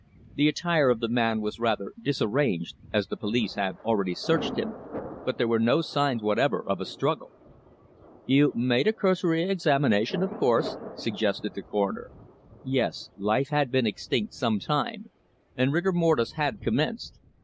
The attire of the man was rather disarranged, as the police had already searched him, but there were no signs whatever of a struggle." "You made a cursory examination, of course," suggested the Coroner. "Yes. Life had been extinct sometime, and rigor mortis had commenced.